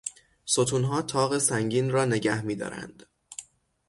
ستونها طاق سنگین را نگهمیدارند.